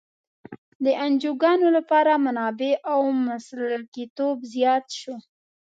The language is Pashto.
د انجوګانو لپاره منابع او مسلکیتوب زیات شو.